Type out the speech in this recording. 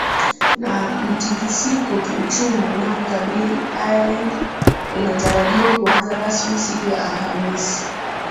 na mtikisiko kiuchumi unayoikabili ireland unatarajiwa kuanza rasmi siku ya alhamisi